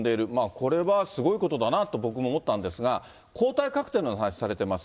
これはすごいことだなと僕も思ったんですが、抗体カクテルの話されてます。